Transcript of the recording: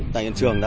tại hiện trường